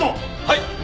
はい！